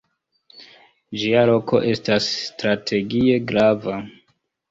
Ĝia loko estas strategie grava.